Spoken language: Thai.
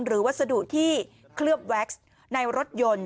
วัสดุที่เคลือบแว็กซ์ในรถยนต์